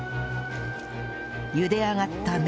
茹で上がった麺